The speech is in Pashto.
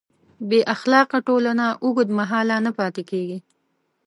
بېاخلاقه ټولنه اوږدمهاله نه پاتې کېږي.